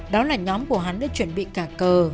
đó là nhóm của hắn đã chuẩn bị cả cờ